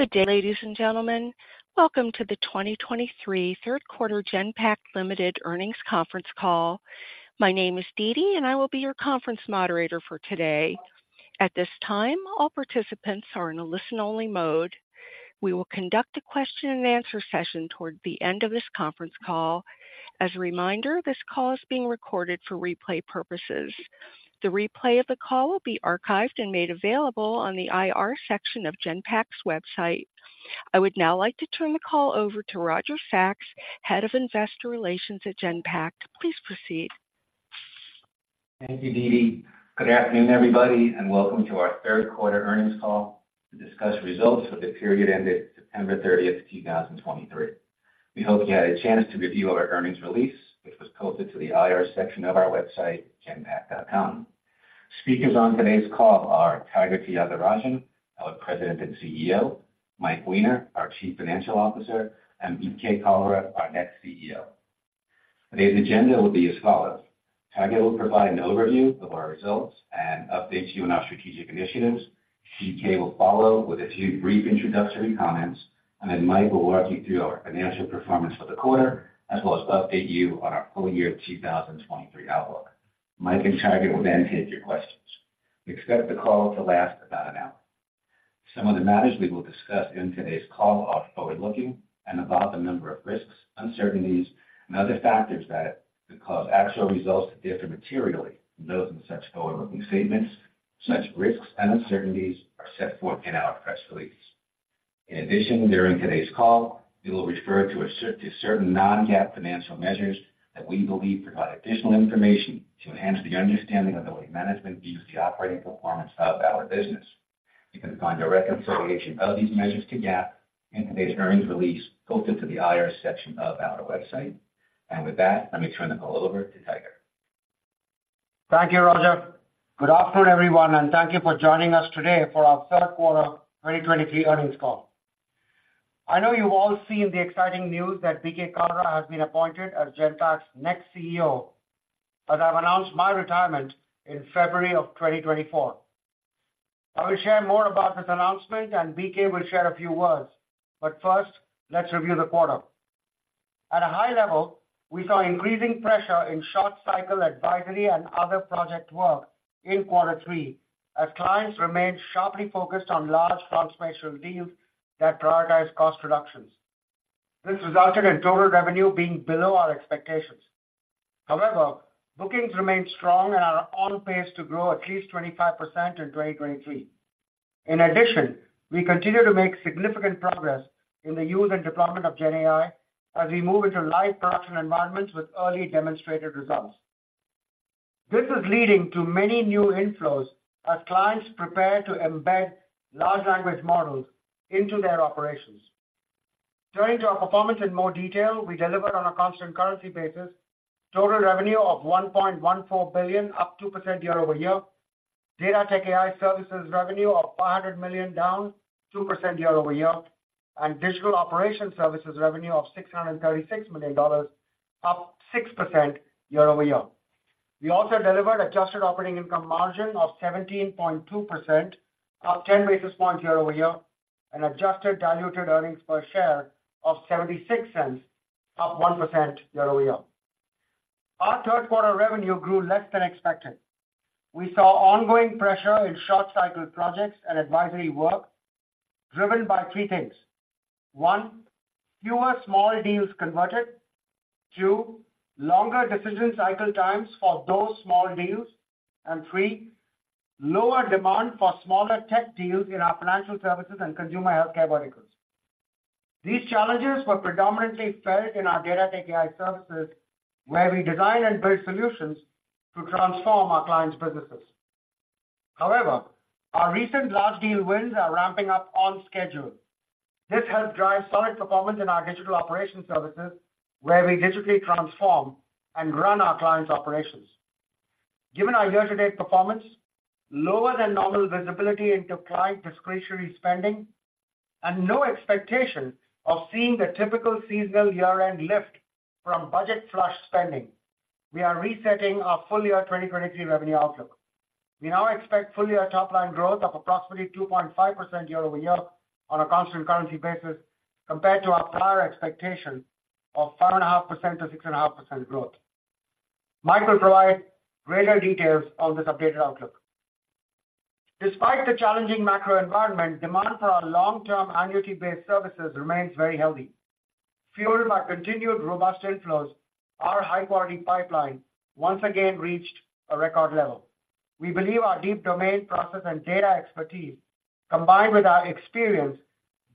Good day, ladies and gentlemen. Welcome to the 2023 third quarter Genpact Limited earnings conference call. My name is Dee Dee, and I will be your conference moderator for today. At this time, all participants are in a listen-only mode. We will conduct a question-and-answer session toward the end of this conference call. As a reminder, this call is being recorded for replay purposes. The replay of the call will be archived and made available on the IR section of Genpact's website. I would now like to turn the call over to Roger Sachs, Head of Investor Relations at Genpact. Please proceed. Thank you, Dee Dee. Good afternoon, everybody, and welcome to our third quarter earnings call to discuss results for the period ended September 30th, 2023. We hope you had a chance to review our earnings release, which was posted to the IR section of our website, Genpact.com. Speakers on today's call are Tiger Tyagarajan, our President and CEO, Mike Weiner, our Chief Financial Officer, and BK Kalra, our next CEO. Today's agenda will be as follows: Tiger will provide an overview of our results and update you on our strategic initiatives. BK will follow with a few brief introductory comments, and then Mike will walk you through our financial performance for the quarter, as well as update you on our full year 2023 outlook. Mike and Tiger will then take your questions. We expect the call to last about an hour. Some of the matters we will discuss in today's call are forward-looking and involve a number of risks, uncertainties, and other factors that could cause actual results to differ materially from those in such forward-looking statements. Such risks and uncertainties are set forth in our press release. In addition, during today's call, we will refer to certain non-GAAP financial measures that we believe provide additional information to enhance the understanding of how the management views the operating performance of our business. You can find direct reconciliation of these measures to GAAP in today's earnings release posted to the IR section of our website. With that, let me turn the call over to Tiger. Thank you, Roger. Good afternoon, everyone, and thank you for joining us today for our third quarter 2023 earnings call. I know you've all seen the exciting news that BK Kalra has been appointed as Genpact's next CEO, but I've announced my retirement in February of 2024. I will share more about this announcement, and BK will share a few words. But first, let's review the quarter. At a high level, we saw increasing pressure in short cycle advisory and other project work in quarter three, as clients remained sharply focused on large transformation deals that prioritize cost reductions. This resulted in total revenue being below our expectations. However, bookings remain strong and are on pace to grow at least 25% in 2023. In addition, we continue to make significant progress in the use and deployment of GenAI as we move into live production environments with early demonstrated results. This is leading to many new inflows as clients prepare to embed large language models into their operations. Turning to our performance in more detail, we delivered on a constant currency basis, total revenue of $1.14 billion, up 2% year-over-year, Data-Tech-AI Services revenue of $500 million, down 2% year-over-year, and Digital Operations Services revenue of $636 million, up 6% year-over-year. We also delivered adjusted operating income margin of 17.2%, up 10 basis points year-over-year, and adjusted diluted earnings per share of $0.76, up 1% year-over-year. Our third quarter revenue grew less than expected. We saw ongoing pressure in short cycle projects and advisory work, driven by three things: one, fewer small deals converted; two, longer decision cycle times for those small deals; and three, lower demand for smaller tech deals in our financial services and consumer healthcare verticals. These challenges were predominantly felt in our Data-Tech-AI Services, where we design and build solutions to transform our clients' businesses. However, our recent large deal wins are ramping up on schedule. This helped drive solid performance in our Digital Operations Services, where we digitally transform and run our clients' operations. Given our year-to-date performance, lower than normal visibility into client discretionary spending, and no expectation of seeing the typical seasonal year-end lift from budget flush spending, we are resetting our full-year 2023 revenue outlook. We now expect full-year top line growth of approximately 2.5% year-over-year on a constant currency basis, compared to our prior expectation of 5.5%-6.5% growth. Mike will provide greater details on this updated outlook. Despite the challenging macro environment, demand for our long-term annuity-based services remains very healthy. Fueled by continued robust inflows, our high-quality pipeline once again reached a record level. We believe our deep domain process and data expertise, combined with our experience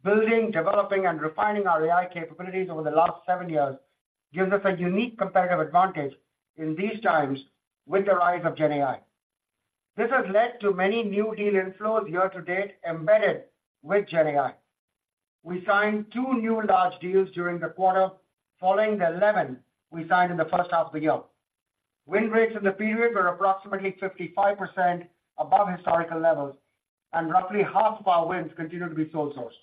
building, developing, and refining our AI capabilities over the last seven years, gives us a unique competitive advantage in these times with the rise of GenAI. This has led to many new deal inflows year to date, embedded with GenAI. We signed two new large deals during the quarter, following the 11 we signed in the first half of the year. Win rates in the period were approximately 55% above historical levels, and roughly half of our wins continued to be sole source.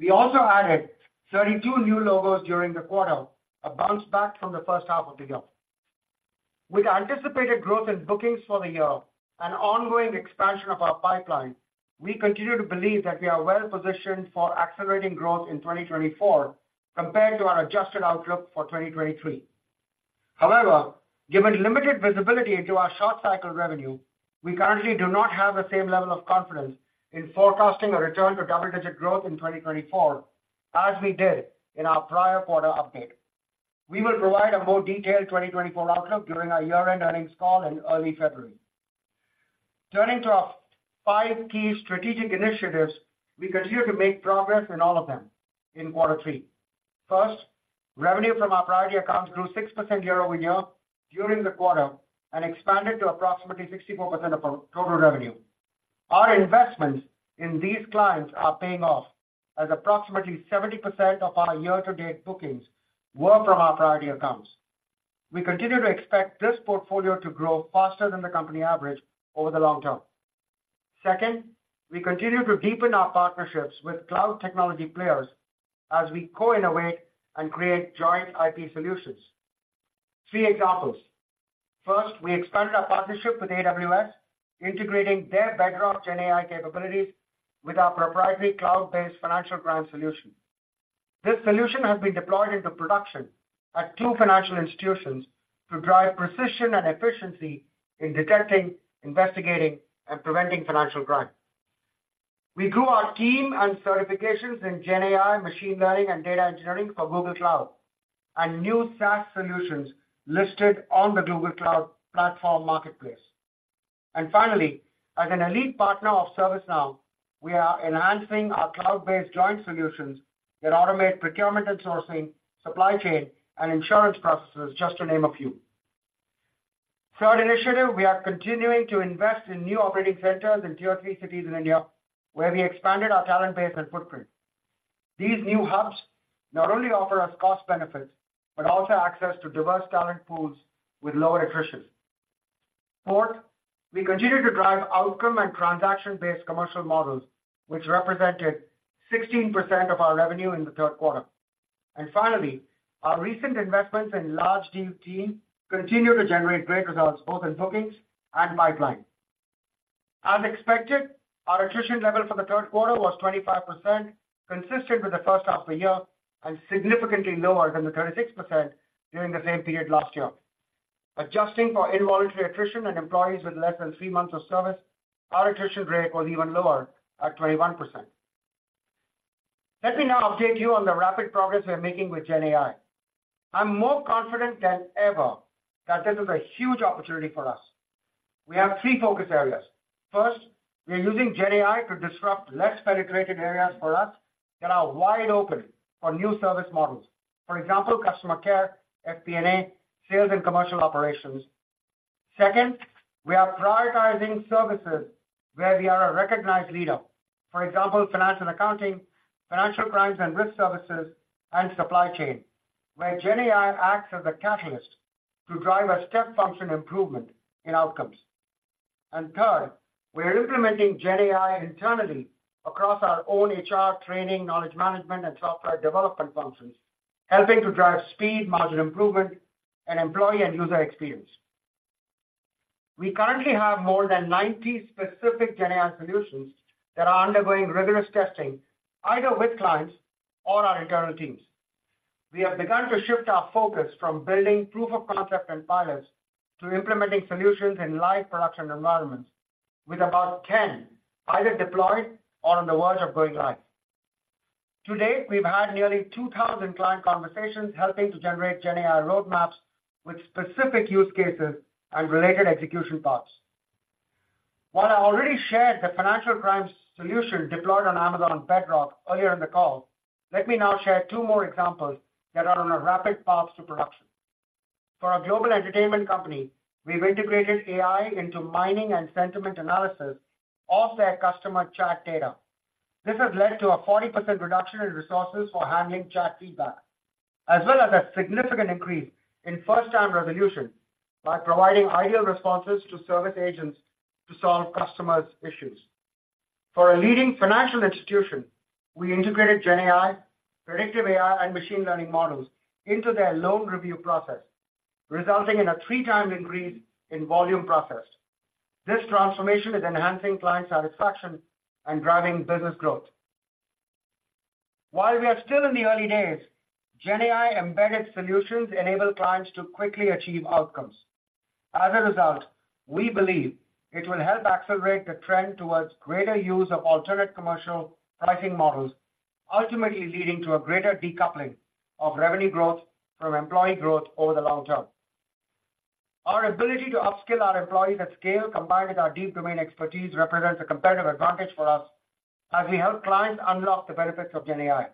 We also added 32 new logos during the quarter, a bounce back from the first half of the year. With anticipated growth in bookings for the year and ongoing expansion of our pipeline, we continue to believe that we are well positioned for accelerating growth in 2024 compared to our adjusted outlook for 2023. However, given limited visibility into our short cycle revenue, we currently do not have the same level of confidence in forecasting a return to double-digit growth in 2024 as we did in our prior quarter update. We will provide a more detailed 2024 outlook during our year-end earnings call in early February. Turning to our five key strategic initiatives, we continued to make progress in all of them in quarter three. First, revenue from our priority accounts grew 6% year-over-year during the quarter and expanded to approximately 64% of our total revenue. Our investments in these clients are paying off, as approximately 70% of our year-to-date bookings were from our priority accounts. We continue to expect this portfolio to grow faster than the company average over the long term. Second, we continue to deepen our partnerships with cloud technology players as we co-innovate and create joint IP solutions. Three examples. First, we expanded our partnership with AWS, integrating their Bedrock GenAI capabilities with our proprietary cloud-based financial crime solution. This solution has been deployed into production at two financial institutions to drive precision and efficiency in detecting, investigating, and preventing financial crime. We grew our team and certifications in GenAI, machine learning, and data engineering for Google Cloud, and new SaaS solutions listed on the Google Cloud Platform Marketplace. And finally, as an elite partner of ServiceNow, we are enhancing our cloud-based joint solutions that automate procurement and sourcing, supply chain, and insurance processes, just to name a few. Third initiative, we are continuing to invest in new operating centers in tier three cities in India, where we expanded our talent base and footprint. These new hubs not only offer us cost benefits, but also access to diverse talent pools with lower attrition. Fourth, we continue to drive outcome and transaction-based commercial models, which represented 16% of our revenue in the third quarter. And finally, our recent investments in large deal team continue to generate great results both in bookings and pipeline. As expected, our attrition level for the third quarter was 25%, consistent with the first half of the year and significantly lower than the 36% during the same period last year. Adjusting for involuntary attrition and employees with less than three months of service, our attrition rate was even lower at 21%. Let me now update you on the rapid progress we are making with GenAI. I'm more confident than ever that this is a huge opportunity for us. We have three focus areas. First, we are using GenAI to disrupt less penetrated areas for us that are wide open for new service models. For example, customer care, FP&A, sales and commercial operations. Second, we are prioritizing services where we are a recognized leader. For example, financial accounting, financial crimes and risk services, and supply chain, where GenAI acts as a catalyst to drive a step function improvement in outcomes. And third, we are implementing GenAI internally across our own HR, training, knowledge management, and software development functions, helping to drive speed, margin improvement, and employee and user experience. We currently have more than 90 specific GenAI solutions that are undergoing rigorous testing, either with clients or our internal teams. We have begun to shift our focus from building proof of concept and pilots to implementing solutions in live production environments, with about 10 either deployed or in the world of going live. To date, we've had nearly 2,000 client conversations, helping to generate GenAI roadmaps with specific use cases and related execution paths. While I already shared the financial crimes solution deployed on Amazon Bedrock earlier in the call, let me now share two more examples that are on a rapid path to production. For a global entertainment company, we've integrated AI into mining and sentiment analysis of their customer chat data. This has led to a 40% reduction in resources for handling chat feedback, as well as a significant increase in first-time resolution by providing ideal responses to service agents to solve customers' issues. For a leading financial institution, we integrated GenAI, predictive AI, and machine learning models into their loan review process, resulting in a 3-time increase in volume processed. This transformation is enhancing client satisfaction and driving business growth. While we are still in the early days, GenAI embedded solutions enable clients to quickly achieve outcomes. As a result, we believe it will help accelerate the trend towards greater use of alternate commercial pricing models, ultimately leading to a greater decoupling of revenue growth from employee growth over the long term. Our ability to upskill our employees at scale, combined with our deep domain expertise, represents a competitive advantage for us as we help clients unlock the benefits of GenAI.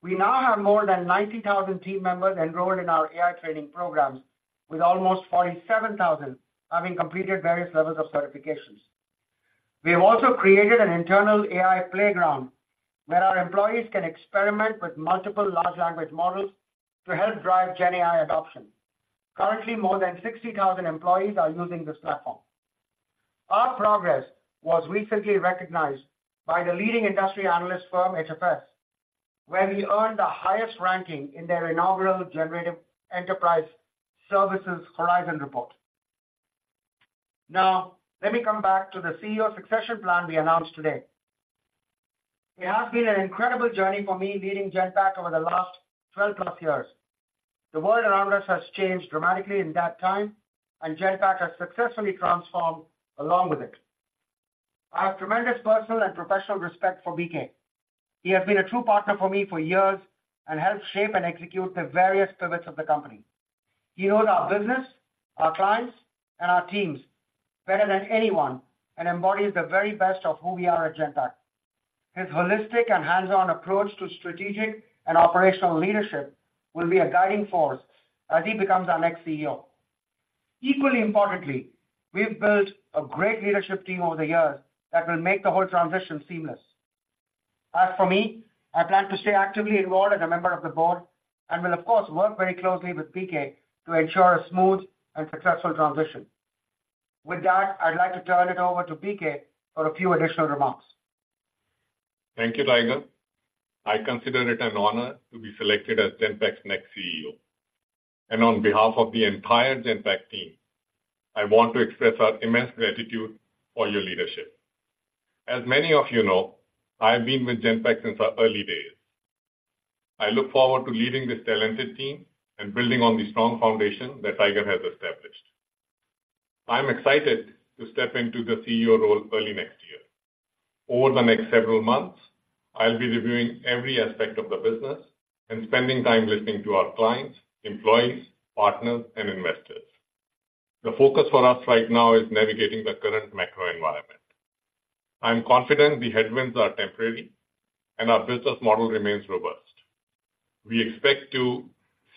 We now have more than 90,000 team members enrolled in our AI training programs, with almost 47,000 having completed various levels of certifications. We have also created an internal AI Playground where our employees can experiment with multiple large language models to help drive GenAI adoption. Currently, more than 60,000 employees are using this platform. Our progress was recently recognized by the leading industry analyst firm, HFS, where we earned the highest ranking in their inaugural Generative Enterprise Services Horizon report. Now, let me come back to the CEO succession plan we announced today. It has been an incredible journey for me leading Genpact over the last 12+ years. The world around us has changed dramatically in that time, and Genpact has successfully transformed along with it. I have tremendous personal and professional respect for BK. He has been a true partner for me for years and helped shape and execute the various pivots of the company. He knows our business, our clients, and our teams better than anyone, and embodies the very best of who we are at Genpact. His holistic and hands-on approach to strategic and operational leadership will be a guiding force as he becomes our next CEO. Equally importantly, we've built a great leadership team over the years that will make the whole transition seamless. As for me, I plan to stay actively involved as a member of the board and will, of course, work very closely with BK to ensure a smooth and successful transition. With that, I'd like to turn it over to BK for a few additional remarks. Thank you, Tiger. I consider it an honor to be selected as Genpact's next CEO, and on behalf of the entire Genpact team, I want to express our immense gratitude for your leadership. As many of you know, I've been with Genpact since our early days. I look forward to leading this talented team and building on the strong foundation that Tiger has established. I'm excited to step into the CEO role early next year. Over the next several months, I'll be reviewing every aspect of the business and spending time listening to our clients, employees, partners, and investors. The focus for us right now is navigating the current macro environment. I'm confident the headwinds are temporary and our business model remains robust. We expect to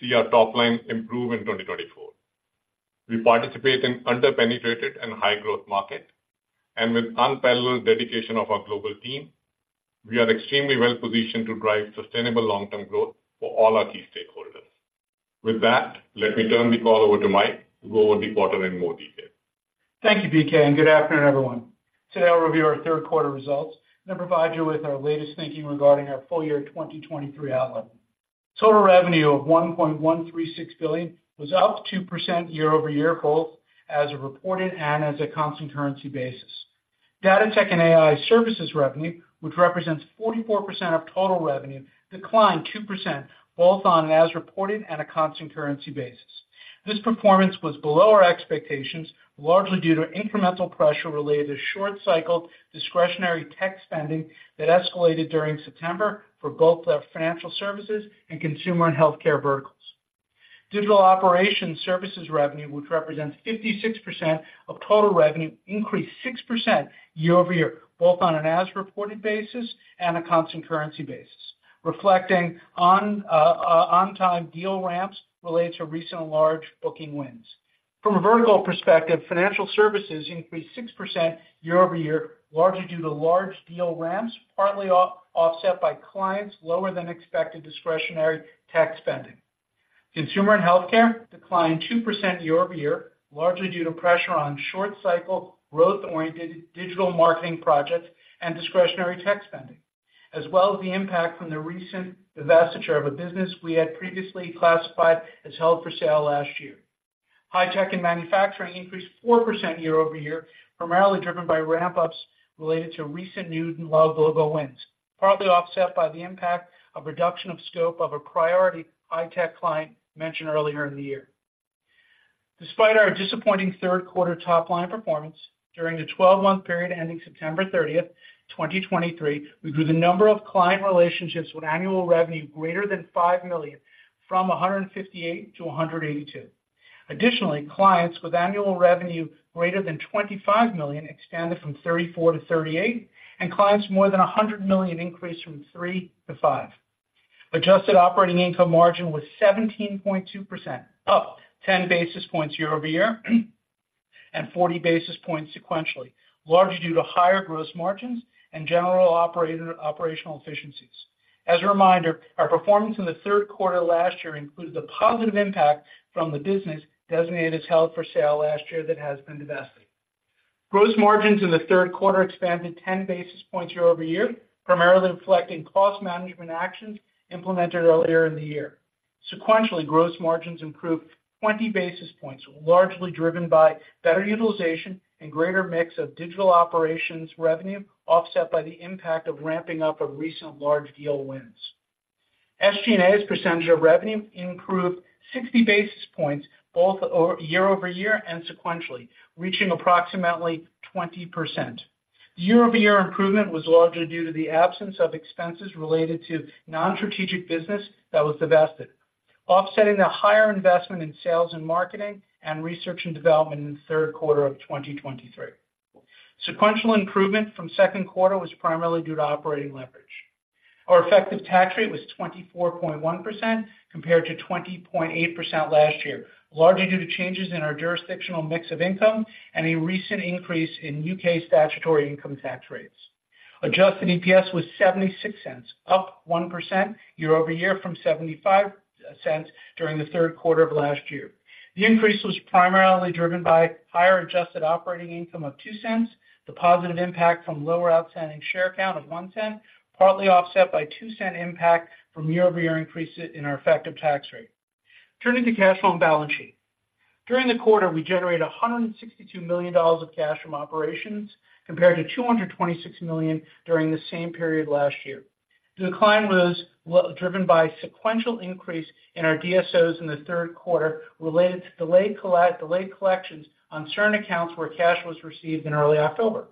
see our top line improve in 2024. We participate in under-penetrated and high-growth market, and with unparalleled dedication of our global team, we are extremely well positioned to drive sustainable long-term growth for all our key stakeholders. With that, let me turn the call over to Mike to go over the quarter in more detail. Thank you, BK, and good afternoon, everyone. Today, I'll review our third quarter results and provide you with our latest thinking regarding our full year 2023 outlook. Total revenue of $1.136 billion was up 2% year-over-year, both as-reported and on a constant-currency basis. Data-Tech-AI Services revenue, which represents 44% of total revenue, declined 2%, both on an as-reported and a constant-currency basis. This performance was below our expectations, largely due to incremental pressure related to short-cycle, discretionary tech spending that escalated during September for both our financial services and consumer and healthcare verticals. Digital Operations Services revenue, which represents 56% of total revenue, increased 6% year-over-year, both on an as-reported basis and a constant-currency basis, reflecting on-time deal ramps related to recent large booking wins. From a vertical perspective, financial services increased 6% year-over-year, largely due to large deal ramps, partly offset by clients' lower than expected discretionary tech spending. Consumer and healthcare declined 2% year-over-year, largely due to pressure on short-cycle, growth-oriented digital marketing projects and discretionary tech spending, as well as the impact from the recent divestiture of a business we had previously classified as held for sale last year. High-tech and manufacturing increased 4% year-over-year, primarily driven by ramp-ups related to recent new and large logo wins, partly offset by the impact of reduction of scope of a priority high-tech client mentioned earlier in the year. Despite our disappointing third quarter top-line performance, during the 12 month period ending September 30th, 2023, we grew the number of client relationships with annual revenue greater than $5 million, from 158-182. Additionally, clients with annual revenue greater than $25 million expanded from 34 to 38, and clients more than $100 million increased from 3 to 5. Adjusted Operating Income Margin was 17.2%, up 10 basis points year-over-year, and 40 basis points sequentially, largely due to higher gross margins and general operational efficiencies. As a reminder, our performance in the third quarter last year included a positive impact from the business designated as held for sale last year that has been divested. Gross margins in the third quarter expanded 10 basis points year over year, primarily reflecting cost management actions implemented earlier in the year. Sequentially, gross margins improved 20 basis points, largely driven by better utilization and greater mix of Digital Operations revenue, offset by the impact of ramping up of recent large deal wins. SG&A as a percentage of revenue improved 60 basis points, both year-over-year and sequentially, reaching approximately 20%. Year-over-year improvement was largely due to the absence of expenses related to non-strategic business that was divested, offsetting a higher investment in sales and marketing and research and development in the third quarter of 2023. Sequential improvement from second quarter was primarily due to operating leverage. Our effective tax rate was 24.1% compared to 20.8% last year, largely due to changes in our jurisdictional mix of income and a recent increase in U.K. statutory income tax rates. Adjusted EPS was $0.76, up 1% year-over-year from $0.75 during the third quarter of last year. The increase was primarily driven by higher adjusted operating income of $0.02, the positive impact from lower outstanding share count of $0.01, partly offset by $0.02 impact from year-over-year increase in our effective tax rate. Turning to cash flow and balance sheet. During the quarter, we generated $162 million of cash from operations, compared to $226 million during the same period last year. The decline was driven by sequential increase in our DSOs in the third quarter related to delayed collections on certain accounts where cash was received in early October.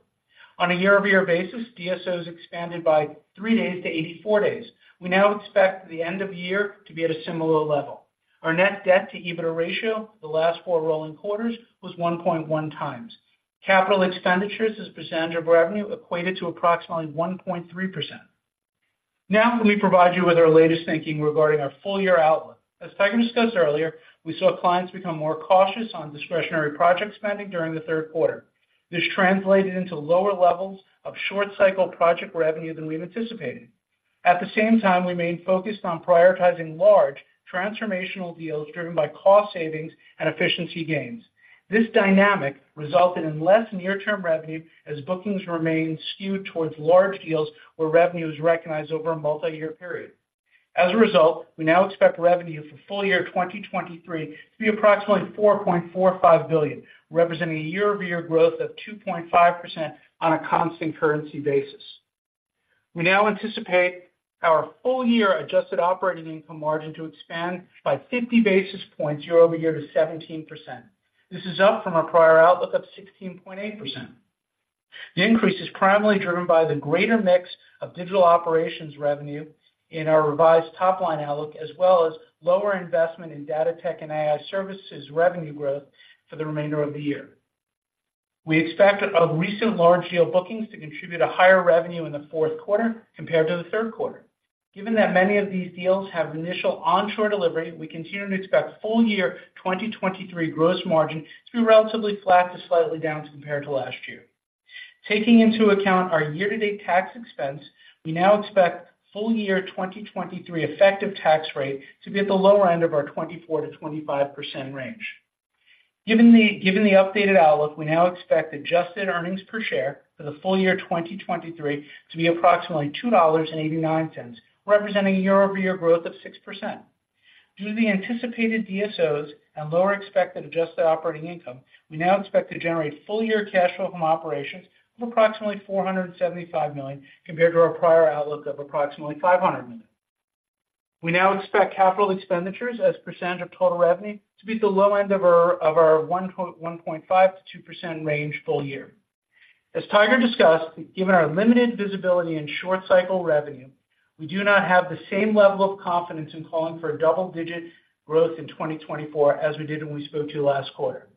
On a year-over-year basis, DSOs expanded by three days to 84 days. We now expect the end of year to be at a similar level. Our net debt to EBITDA ratio, the last four rolling quarters, was 1.1x. Capital expenditures as a percentage of revenue equated to approximately 1.3%. Now, let me provide you with our latest thinking regarding our full-year outlook. As Tiger discussed earlier, we saw clients become more cautious on discretionary project spending during the third quarter. This translated into lower levels of short-cycle project revenue than we've anticipated. At the same time, we remained focused on prioritizing large transformational deals driven by cost savings and efficiency gains. This dynamic resulted in less near-term revenue as bookings remained skewed towards large deals where revenue is recognized over a multiyear period. As a result, we now expect revenue for full year 2023 to be approximately $4.45 billion, representing a year-over-year growth of 2.5% on a constant currency basis. We now anticipate our full year adjusted operating income margin to expand by 50 basis points year-over-year to 17%. This is up from our prior outlook of 16.8%. The increase is primarily driven by the greater mix of Digital Operations revenue in our revised top-line outlook, as well as lower investment in Data-Tech-AI Services revenue growth for the remainder of the year. We expect our recent large deal bookings to contribute a higher revenue in the fourth quarter compared to the third quarter. Given that many of these deals have initial onshore delivery, we continue to expect full year 2023 gross margin to be relatively flat to slightly down compared to last year. Taking into account our year-to-date tax expense, we now expect full year 2023 effective tax rate to be at the lower end of our 24%-25% range. Given the updated outlook, we now expect adjusted earnings per share for the full year 2023 to be approximately $2.89, representing a year-over-year growth of 6%. Due to the anticipated DSOs and lower expected adjusted operating income, we now expect to generate full-year cash flow from operations of approximately $475 million, compared to our prior outlook of approximately $500 million. We now expect capital expenditures as a percentage of total revenue to be at the low end of our 1.5%-2% range full year. As Tiger discussed, given our limited visibility in short cycle revenue, we do not have the same level of confidence in calling for a double-digit growth in 2024 as we did when we spoke to you last quarter.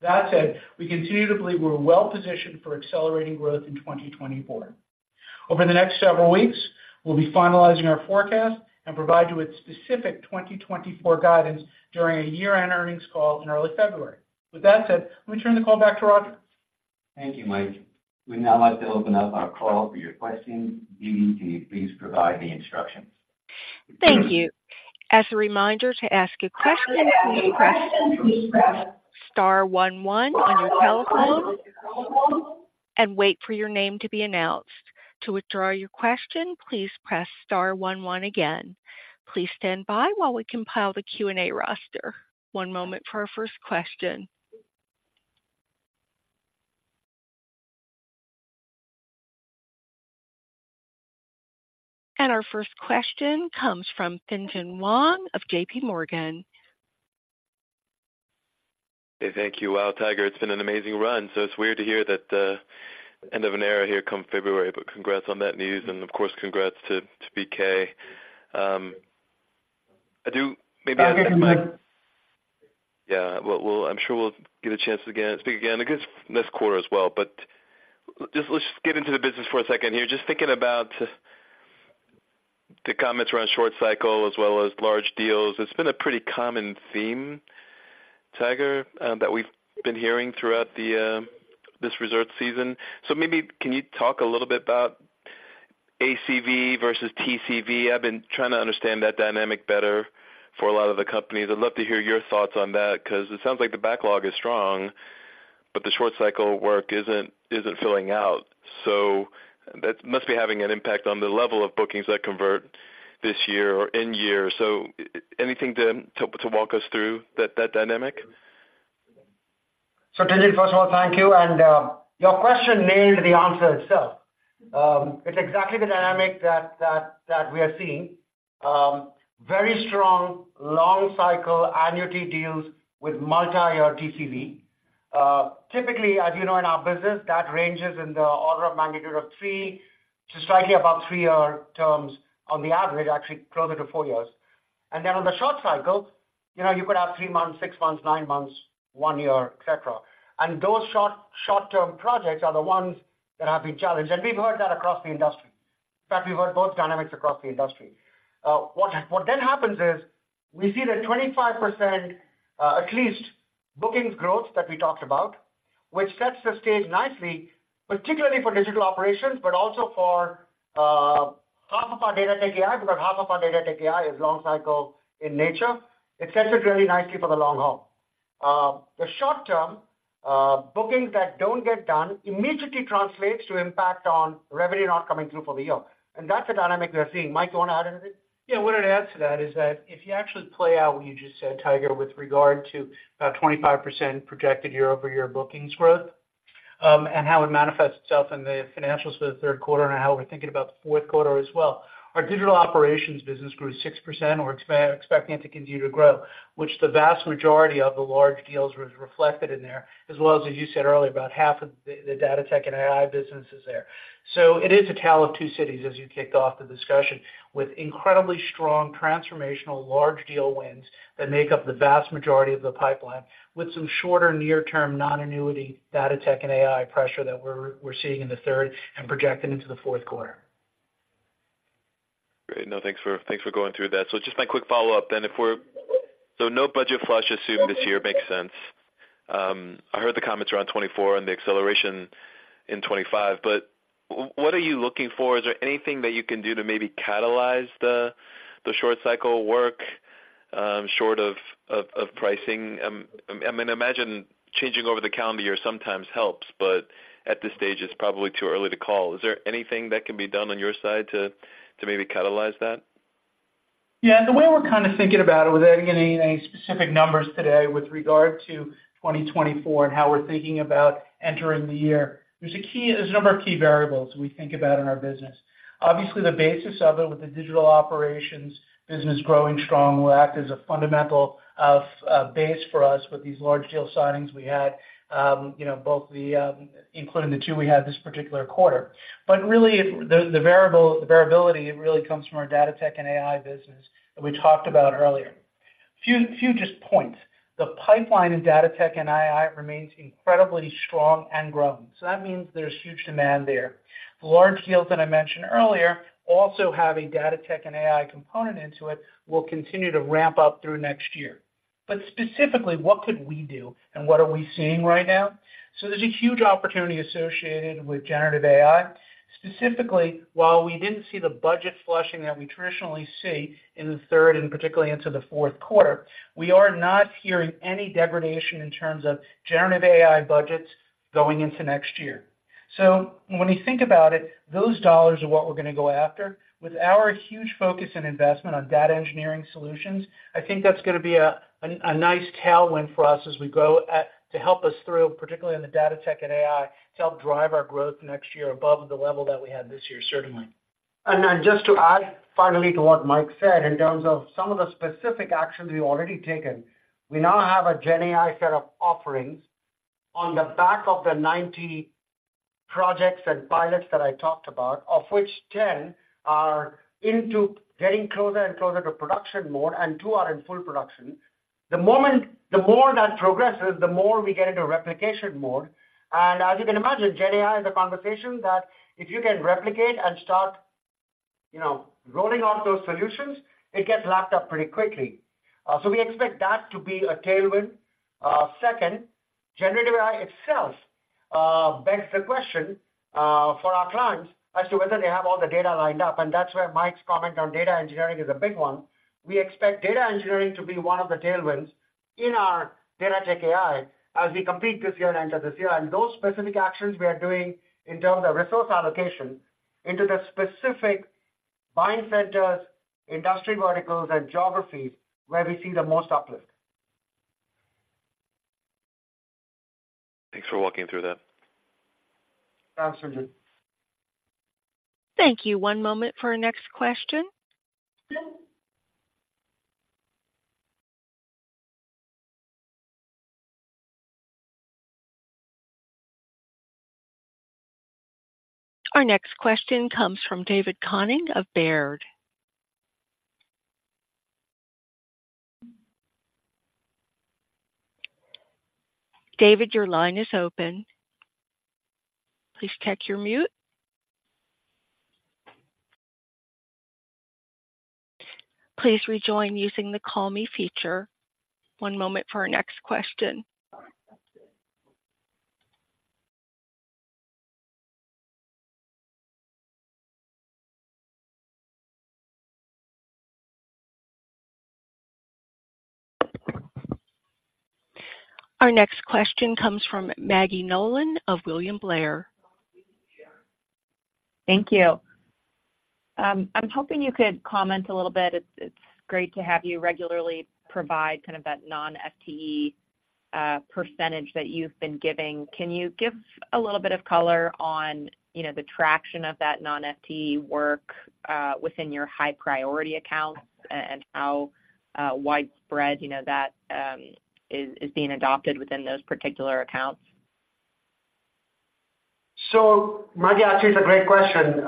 That said, we continue to believe we're well positioned for accelerating growth in 2024. Over the next several weeks, we'll be finalizing our forecast and provide you with specific 2024 guidance during a year-end earnings call in early February. With that said, let me turn the call back to Roger. Thank you, Mike. We'd now like to open up our call for your questions. Dee Dee, can you please provide the instructions? Thank you. As a reminder, to ask a question, press star one one on your telephone and wait for your name to be announced. To withdraw your question, please press star one one again. Please stand by while we compile the Q&A roster. One moment for our first question. Our first question comes from Tien-Tsin Huang of JPMorgan. Hey, thank you. Wow, Tiger, it's been an amazing run, so it's weird to hear that the end of an era here come February, but congrats on that news and, of course, congrats to BK. Maybe, yeah, we'll-- I'm sure we'll get a chance to speak again, I guess, this quarter as well. But just let's get into the business for a second here. Just thinking about the comments around short cycle as well as large deals, it's been a pretty common theme, Tiger, that we've been hearing throughout this results season. So maybe can you talk a little bit about ACV versus TCV? I've been trying to understand that dynamic better for a lot of the companies. I'd love to hear your thoughts on that, because it sounds like the backlog is strong, but the short cycle work isn't filling out. So that must be having an impact on the level of bookings that convert this year or in year. So anything to walk us through that dynamic? So Tien, first of all, thank you. And your question nailed the answer itself. It's exactly the dynamic that we are seeing. Very strong long cycle annuity deals with multi-year TCV. Typically, as you know, in our business, that ranges in the order of magnitude of three to slightly above three-year terms on the average, actually closer to four years. And then on the short cycle, you know, you could have 3 months, six months, nine months, 1 year, et cetera. And those short, short-term projects are the ones that have been challenged, and we've heard that across the industry.... In fact, we've got both dynamics across the industry. What, what then happens is we see that 25%, at least bookings growth that we talked about, which sets the stage nicely, particularly for Digital Operations, but also for half of our Data-Tech-AI, because half of our Data-Tech-AI is long cycle in nature. It sets it really nicely for the long haul. The short term bookings that don't get done immediately translates to impact on revenue not coming through for the year. And that's the dynamic we are seeing. Mike, you want to add anything? Yeah, what I'd add to that is that if you actually play out what you just said, Tiger, with regard to 25% projected year-over-year bookings growth, and how it manifests itself in the financials for the third quarter and how we're thinking about the fourth quarter as well. Our Digital Operations business grew 6%, or expecting it to continue to grow, which the vast majority of the large deals was reflected in there, as well as, as you said earlier, about half of the Data-Tech- AI business is there. So it is a tale of two cities, as you kicked off the discussion, with incredibly strong transformational large deal wins that make up the vast majority of the pipeline, with some shorter near-term, non-annuity Data-Tech- AI pressure that we're seeing in the third and projecting into the fourth quarter. Great. No, thanks for going through that. So just my quick follow-up then. So no budget flush assumed this year, makes sense. I heard the comments around 2024 and the acceleration in 2025, but what are you looking for? Is there anything that you can do to maybe catalyze the short cycle work, short of pricing? I mean, imagine changing over the calendar year sometimes helps, but at this stage, it's probably too early to call. Is there anything that can be done on your side to maybe catalyze that? Yeah, the way we're kind of thinking about it, without getting any specific numbers today with regard to 2024 and how we're thinking about entering the year, there's a key, there's a number of key variables we think about in our business. Obviously, the basis of it, with the Digital Operations business growing strong, will act as a fundamental of base for us with these large deal signings we had, you know, both the including the two we had this particular quarter. But really, the variable, the variability, it really comes from our Data-Tech- AI business that we talked about earlier. A few just points. The pipeline in Data-Tech- AI remains incredibly strong and growing, so that means there's huge demand there. The large deals that I mentioned earlier also have a Data-Tech- AI component into it, will continue to ramp up through next year. But specifically, what could we do and what are we seeing right now? So there's a huge opportunity associated with generative AI. Specifically, while we didn't see the budget flushing that we traditionally see in the third and particularly into the fourth quarter, we are not hearing any degradation in terms of generative AI budgets going into next year. So when we think about it, those dollars are what we're gonna go after. With our huge focus and investment on data engineering solutions, I think that's gonna be a nice tailwind for us as we go to help us through, particularly in the Data-Tech- AI, to help drive our growth next year above the level that we had this year, certainly. Then just to add finally to what Mike said, in terms of some of the specific actions we've already taken, we now have a GenAI set of offerings on the back of the 90 projects and pilots that I talked about, of which 10 are into getting closer and closer to production mode and 2 are in full production. The moment, the more that progresses, the more we get into replication mode, and as you can imagine, GenAI in the conversation that if you can replicate and start, you know, rolling out those solutions, it gets lapped up pretty quickly. So we expect that to be a tailwind. Second, generative AI itself begs the question for our clients as to whether they have all the data lined up, and that's where Mike's comment on data engineering is a big one. We expect data engineering to be one of the tailwinds in our Data-Tech-AI as we compete this year and enter this year. Those specific actions we are doing in terms of resource allocation into the specific buying centers, industry verticals, and geographies where we see the most uplift. Thanks for walking through that. Absolutely. Thank you. One moment for our next question. Our next question comes from David Koning of Baird. David, your line is open. Please check your mute. Please rejoin using the call me feature. One moment for our next question. Our next question comes from Maggie Nolan of William Blair. Thank you. I'm hoping you could comment a little bit. It's, it's great to have you regularly provide kind of that non-FTE, percentage that you've been giving. Can you give a little bit of color on, you know, the traction of that non-FTE work, within your high priority accounts and, and how, widespread, you know, that, is, is being adopted within those particular accounts? So, Maggie, actually, it's a great question.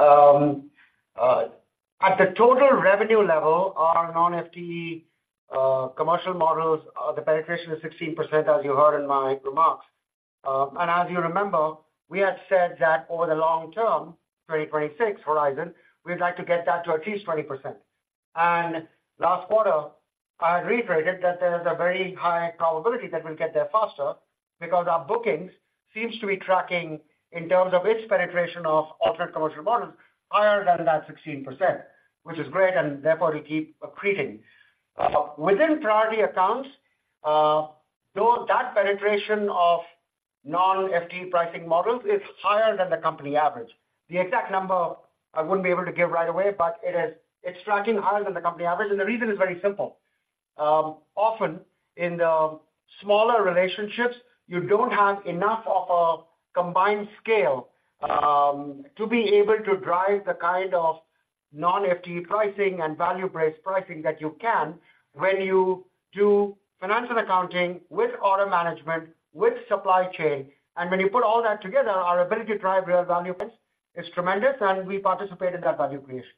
At the total revenue level, our non-FTE commercial models, the penetration is 16%, as you heard in my remarks. And as you remember, we had said that over the long term, 2026 horizon, we'd like to get that to at least 20%. And last quarter, I reiterated that there is a very high probability that we'll get there faster because our bookings seems to be tracking in terms of its penetration of alternate commercial models higher than that 16%, which is great, and therefore will keep accreting. Within priority accounts, though that penetration of non-FTE pricing models is higher than the company average. The exact number I wouldn't be able to give right away, but it is. It's tracking higher than the company average, and the reason is very simple. Often in the smaller relationships, you don't have enough of a combined scale to be able to drive the kind of non-FTE pricing and value-based pricing that you can when you do financial accounting with order management, with supply chain. And when you put all that together, our ability to drive real value is tremendous, and we participate in that value creation.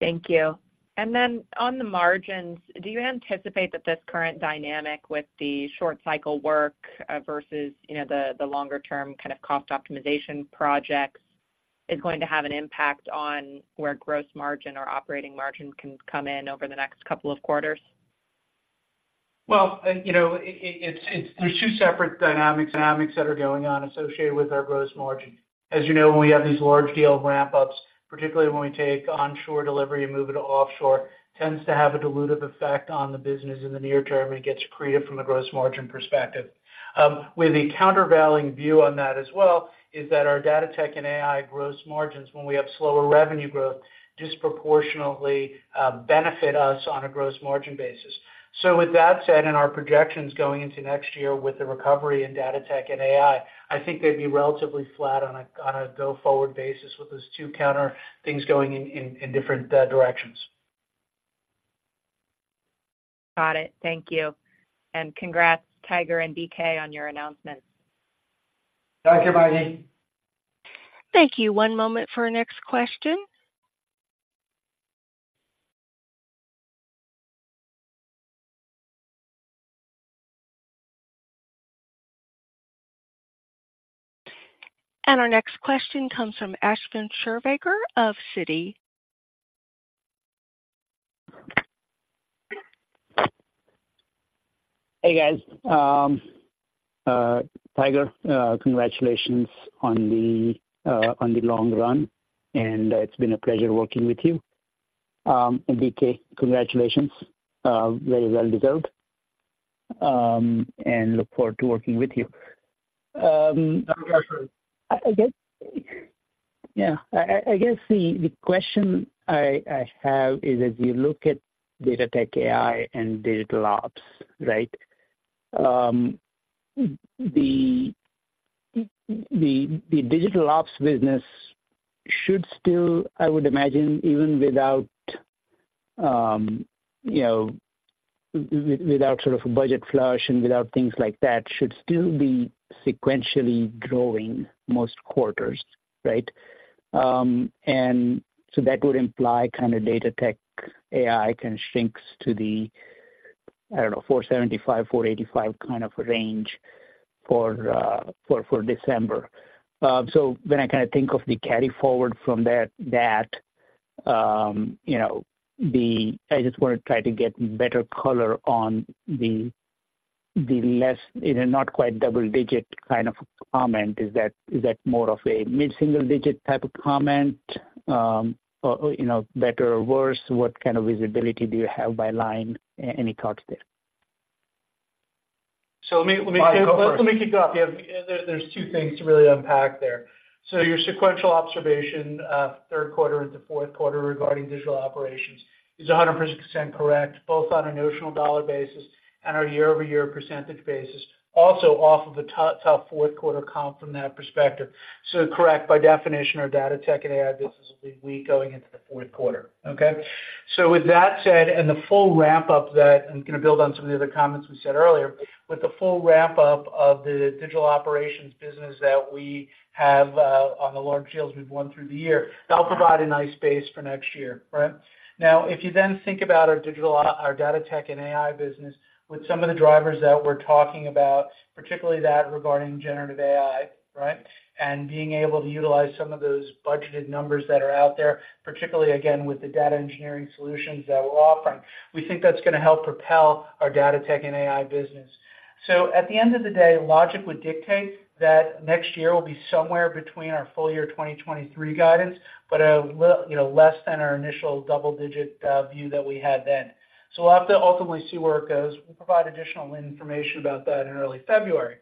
Thank you. And then on the margins, do you anticipate that this current dynamic with the short cycle work versus, you know, the longer-term kind of cost optimization projects is going to have an impact on where gross margin or operating margin can come in over the next couple of quarters? Well, and, you know, it's-- there are two separate dynamics that are going on associated with our gross margin. As you know, when we have these large deal ramp-ups, particularly when we take onshore delivery and move it to offshore, tends to have a dilutive effect on the business in the near term, and it gets accretive from a gross margin perspective. With a countervailing view on that as well, is that our Data-Tech- AI gross margins, when we have slower revenue growth, disproportionately benefit us on a gross margin basis. So with that said, and our projections going into next year with the recovery in Data-Tech- AI, I think they'd be relatively flat on a go-forward basis with those two counter things going in different directions. Got it. Thank you. And congrats, Tiger and BK, on your announcement. Thank you, Maggie. Thank you. One moment for our next question. Our next question comes from Ashwin Shirvaikar of Citi. Hey, guys. Tiger, congratulations on the long run, and it's been a pleasure working with you. And BK, congratulations, very well deserved, and look forward to working with you. Thank you, Ashwin. I guess the question I have is, as you look at data tech, AI, and digital ops, right? The digital ops business should still, I would imagine, even without, you know, without sort of a budget flush and without things like that, should still be sequentially growing most quarters, right? And so that would imply kind of data tech, AI can shrink to the, I don't know, $475-485 kind of range for December. So when I kind of think of the carry forward from that, you know, I just want to try to get better color on the less than in a not quite double digit kind of comment, is that more of a mid-single digit type of comment? Or, you know, better or worse, what kind of visibility do you have by line? Any thoughts there? So let me- Go first. Let me kick off. Yeah, there, there's two things to really unpack there. So your sequential observation, third quarter into fourth quarter regarding Digital Operations is 100% correct, both on a notional dollar basis and our year-over-year percentage basis, also off of a tough, tough fourth quarter comp from that perspective. So correct, by definition, our Data-Tech- AI business will be weak going into the fourth quarter, okay? So with that said, and the full ramp-up that, I'm gonna build on some of the other comments we said earlier, with the full ramp-up of the Digital Operations business that we have, on the large deals we've won through the year, that'll provide a nice base for next year, right? Now, if you then think about our digital, our Data-Tech-AI business, with some of the drivers that we're talking about, particularly that regarding generative AI, right? And being able to utilize some of those budgeted numbers that are out there, particularly, again, with the data engineering solutions that we're offering, we think that's gonna help propel our Data-Tech-AI business. So at the end of the day, logic would dictate that next year will be somewhere between our full year 2023 guidance, but a little, you know, less than our initial double-digit view that we had then. So we'll have to ultimately see where it goes. We'll provide additional information about that in early February.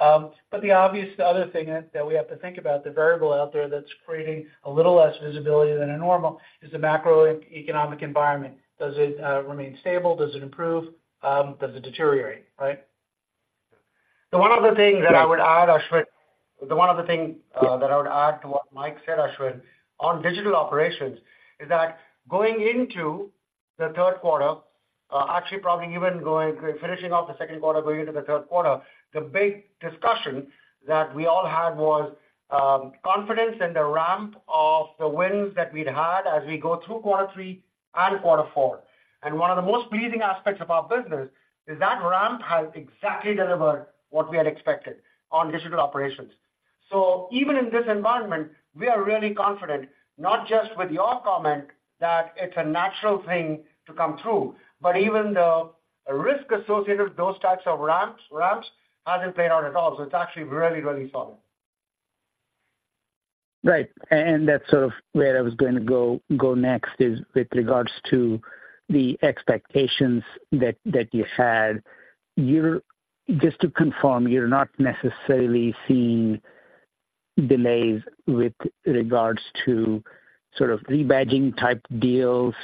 But the obvious other thing that we have to think about, the variable out there that's creating a little less visibility than a normal, is the macroeconomic environment. Does it remain stable? Does it improve? Does it deteriorate, right? The one other thing that I would add, Ashwin, the one other thing, that I would add to what Mike said, Ashwin, on Digital Operations, is that going into the third quarter, actually probably even going, finishing off the second quarter, going into the third quarter, the big discussion that we all had was, confidence in the ramp of the wins that we'd had as we go through quarter three and quarter four. And one of the most pleasing aspects of our business is that ramp has exactly delivered what we had expected on Digital Operations.... So even in this environment, we are really confident, not just with your comment, that it's a natural thing to come through, but even the risk associated with those types of ramps, ramps hasn't paid out at all. So it's actually really, really solid. Right. And that's sort of where I was going to go next, is with regards to the expectations that you had. You're just to confirm, you're not necessarily seeing delays with regards to sort of rebadging type deals.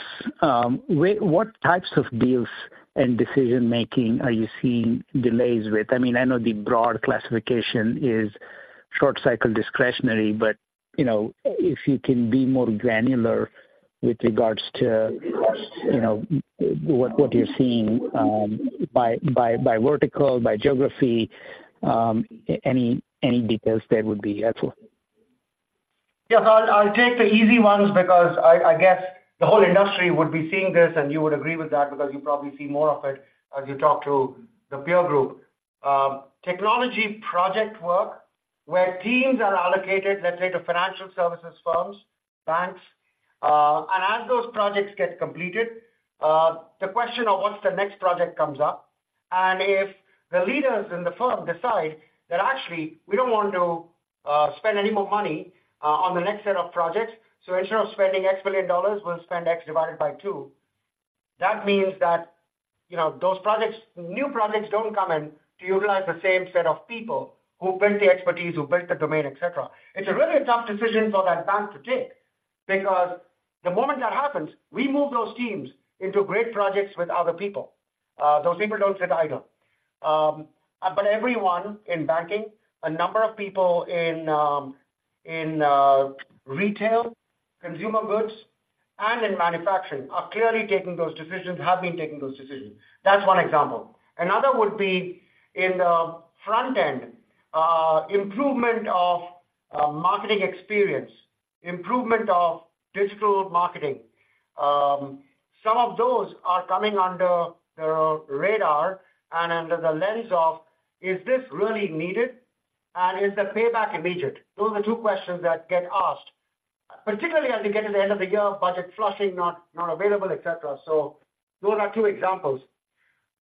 Where, what types of deals and decision-making are you seeing delays with? I mean, I know the broad classification is short cycle discretionary, but, you know, if you can be more granular with regards to, you know, what you're seeing, by vertical, by geography, any details there would be helpful. Yes, I'll take the easy ones because I guess the whole industry would be seeing this, and you would agree with that because you probably see more of it as you talk to the peer group. Technology project work, where teams are allocated, let's say, to financial services firms, banks, and as those projects get completed, the question of what's the next project comes up. And if the leaders in the firm decide that actually we don't want to spend any more money on the next set of projects, so instead of spending $X billion, we'll spend $X divided by 2. That means that, you know, those projects, new projects, don't come in to utilize the same set of people who built the expertise, who built the domain, et cetera. It's a really tough decision for that bank to take, because the moment that happens, we move those teams into great projects with other people. Those people don't sit idle. But everyone in banking, a number of people in retail, consumer goods, and in manufacturing are clearly taking those decisions, have been taking those decisions. That's one example. Another would be in the front end, improvement of marketing experience, improvement of digital marketing. Some of those are coming under the radar and under the lens of: Is this really needed? And is the payback immediate? Those are the two questions that get asked, particularly as we get to the end of the year, budget flushing, not available, et cetera. So those are two examples.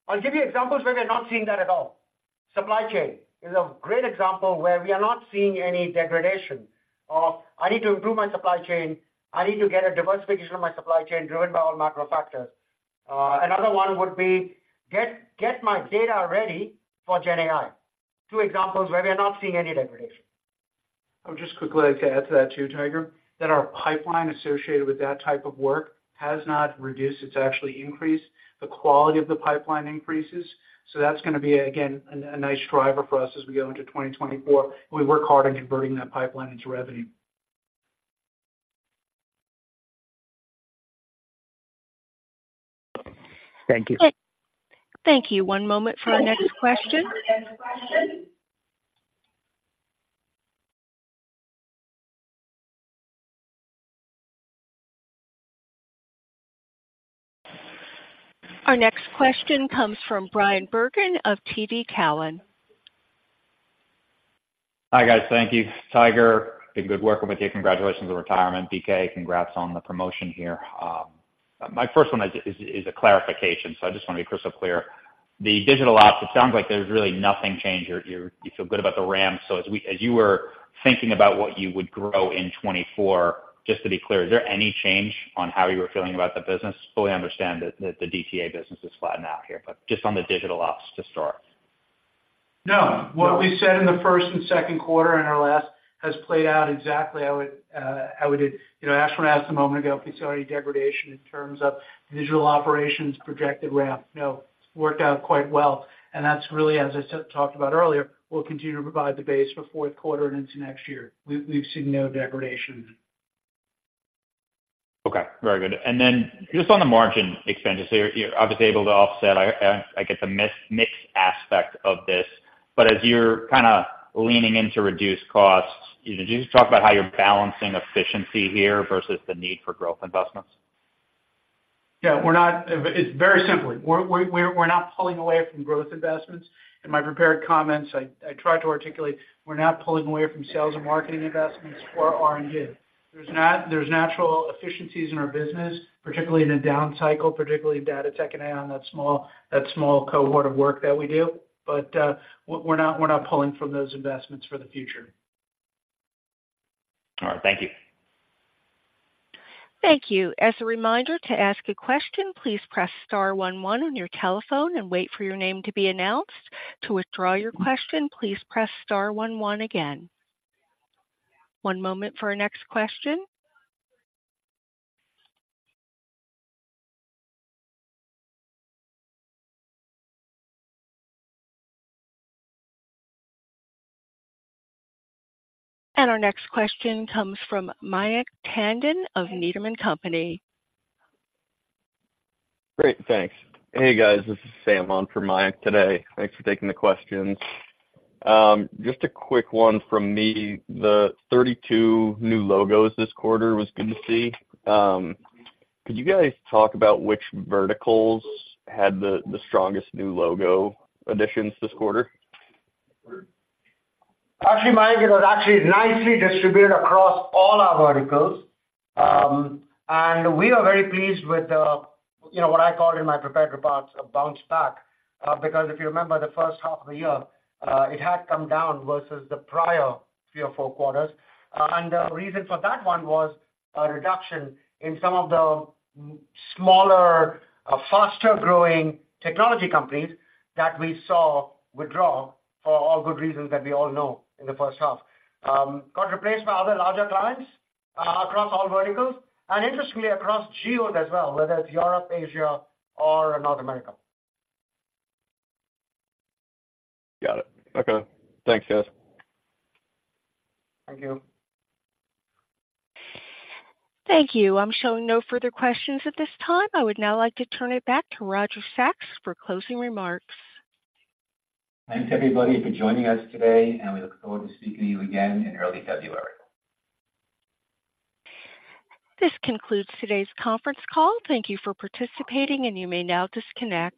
I'll give you examples where we are not seeing that at all. Supply chain is a great example where we are not seeing any degradation of, I need to improve my supply chain, I need to get a diversification of my supply chain driven by all macro factors. Another one would be, get my data ready for GenAI. Two examples where we are not seeing any degradation. I would just quickly like to add to that too, Tiger, that our pipeline associated with that type of work has not reduced. It's actually increased. The quality of the pipeline increases, so that's gonna be, again, a nice driver for us as we go into 2024. We work hard on converting that pipeline into revenue. Thank you. Thank you. One moment for our next question. Our next question comes from Bryan Bergin of TD Cowen. Hi, guys. Thank you. Tiger, doing good work with you. Congratulations on retirement. BK, congrats on the promotion here. My first one is a clarification, so I just want to be crystal clear. The digital ops, it sounds like there's really nothing changed. You feel good about the ramp. So as you were thinking about what you would grow in 2024, just to be clear, is there any change on how you were feeling about the business? Fully understand that the DTA business is flattening out here, but just on the digital ops to start. No, what we said in the first and second quarter and our last has played out exactly how it... You know, Ashwin asked a moment ago if we saw any degradation in terms of Digital Operations, projected ramp. No, it worked out quite well, and that's really, as I said, talked about earlier, we'll continue to provide the base for fourth quarter and into next year. We've, we've seen no degradation. Okay, very good. Then just on the margin expenses, so you were able to offset, I guess, the mix aspect of this. But as you're kind of leaning in to reduce costs, can you just talk about how you're balancing efficiency here versus the need for growth investments? Yeah, we're not. It's very simple. We're not pulling away from growth investments. In my prepared comments, I tried to articulate, we're not pulling away from sales and marketing investments or R&D. There's natural efficiencies in our business, particularly in a down cycle, particularly Data-Tech- AI, on that small cohort of work that we do. But, we're not pulling from those investments for the future. All right. Thank you. Thank you. As a reminder to ask a question, please press star one one on your telephone and wait for your name to be announced. To withdraw your question, please press star one one again. One moment for our next question. Our next question comes from Mayank Tandon of Needham & Company. Great, thanks. Hey, guys, this is Sam on for Mayank today. Thanks for taking the questions. Just a quick one from me. The 32 new logos this quarter was good to see. Could you guys talk about which verticals had the strongest new logo additions this quarter? Actually, Mayank, it was actually nicely distributed across all our verticals. And we are very pleased with the, you know, what I call in my prepared reports, a bounce back, because if you remember the first half of the year, it had come down versus the prior three or four quarters. And the reason for that one was a reduction in some of the smaller, faster growing technology companies that we saw withdraw for all good reasons that we all know in the first half. Got replaced by other larger clients, across all verticals, and interestingly, across geos as well, whether it's Europe, Asia or North America. Got it. Okay. Thanks, guys. Thank you. Thank you. I'm showing no further questions at this time. I would now like to turn it back to Roger Sachs for closing remarks. Thanks, everybody, for joining us today, and we look forward to speaking to you again in early February. This concludes today's conference call. Thank you for participating, and you may now disconnect.